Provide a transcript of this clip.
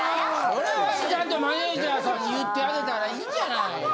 それはちゃんとマネジャーさんに言ってあげたらいいじゃない。